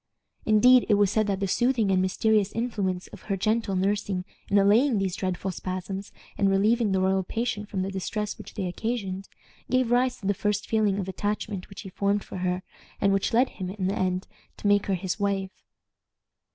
Indeed, it was said that the soothing and mysterious influence of her gentle nursing in allaying these dreadful spasms, and relieving the royal patient from the distress which they occasioned, gave rise to the first feeling of attachment which he formed for her, and which led him, in the end, to make her his wife.